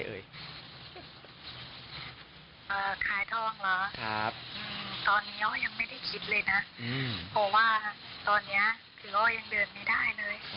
เพราะว่าตอนนี้ยังเดินไม่ได้เลย